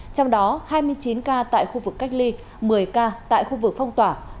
trong đó hai mươi chín ca tại khu vực cách ly một mươi ca tại khu vực phong tỏa